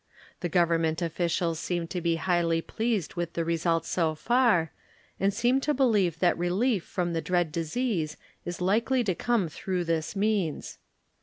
The Government officials seem to be highly pleased with the results so far and seem to believe that relief from the dread disease is likely to come through this means.